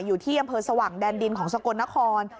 อยู่ที่อำเภอสว่างแดนดินของสกลนคร